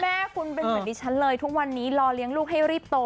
แม่คุณเป็นเหมือนดิฉันเลยทุกวันนี้รอเลี้ยงลูกให้รีบโต